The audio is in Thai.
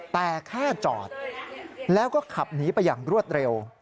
แต่แค่จอดแล้วก็ขับหนีไปอย่างรวดเร็ว